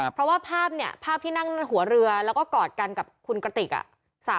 เพราะว่าภาพเนี่ยภาพที่นั่งหัวเรือแล้วก็กอดกันกับคุณกระติก